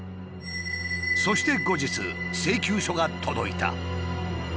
そして後日請求書が届いた。